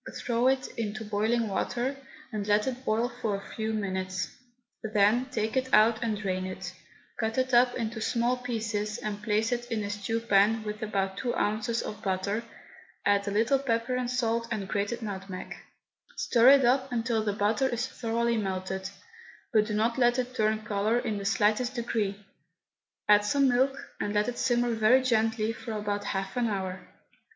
Threw it into boiling water, and let it boil for a few minutes, then take it out and drain it; cut it up into small pieces and place it in a stew pan with about two ounces of butter, add a little pepper and salt and grated nutmeg; stir it up until the butter is thoroughly melted, but do not let it turn colour in the slightest degree. Add some milk, and let it simmer very gently for about half an hour.